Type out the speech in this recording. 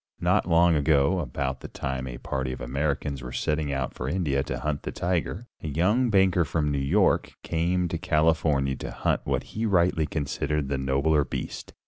Not long ago, about the time a party of Americans were setting out for India to hunt the tiger, a young banker from New York came to California to hunt what he rightly considered the nobler beast.